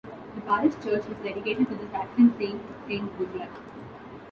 The parish church is dedicated to the Saxon saint Saint Guthlac.